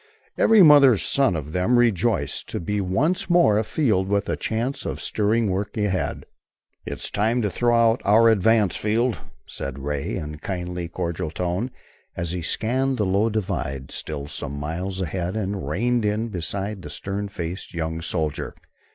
Every mother's son of them rejoiced to be once more afield with a chance of stirring work ahead. "It's time to throw out our advance, Field," said Ray, in kindly, cordial tone, as he scanned the low divide still some miles ahead and reined in beside the stern faced young soldier.